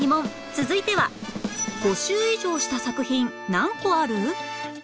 続いては５周以上した作品何個ある？